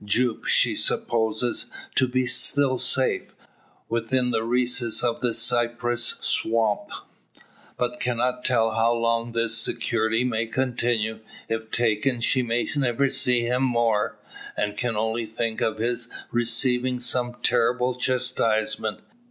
Jupe she supposes to be still safe, within the recesses of the cypress swamp, but cannot tell how long his security may continue. If taken, she may never see him more, and can only think of his receiving some terrible chastisement.